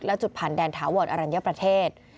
และจุดผ่านแดนถาวรอรัญญประเทศ